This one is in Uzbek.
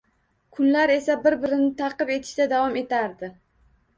Kunlar esa bir-birini ta`qib etishda davom etardi